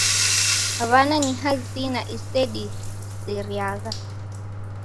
W'ana ni hazina isedisiriagha.